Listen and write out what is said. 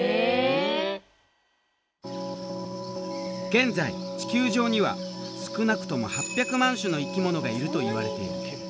現在地球上には少なくとも８００万種の生き物がいるといわれている。